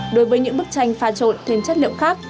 đối với những bức tranh pha trộn thêm chất liệu khác